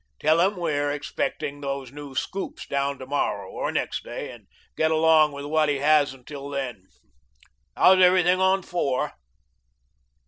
Tell him we are expecting those new scoops down to morrow or next day and to get along with what he has until then.... How's everything on Four?